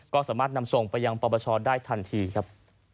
ก็สามารถนำส่งไปยังปปชได้ทันทีครับ